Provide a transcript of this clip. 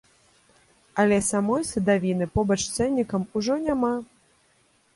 Але самой садавіны побач з цэннікам ужо няма!